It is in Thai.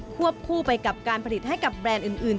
วบคู่ไปกับการผลิตให้กับแบรนด์อื่น